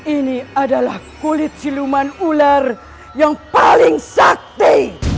ini adalah kulit siluman ular yang paling sate